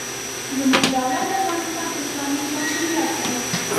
زموږ دولت د افغانستان اسلامي جمهوریت دی.